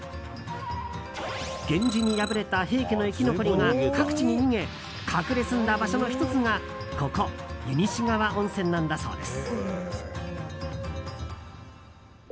源氏に敗れた平家の生き残りが各地に逃げ隠れ住んだ場所の１つがここ、湯西川温泉なんだそうです。